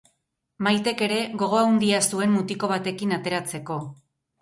Maitek ere gogo handia zuen mutiko batekin ateratzeko.